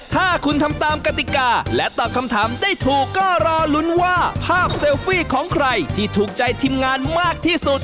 ถ้าคุณทำตามกติกาและตอบคำถามได้ถูกก็รอลุ้นว่าภาพเซลฟี่ของใครที่ถูกใจทีมงานมากที่สุด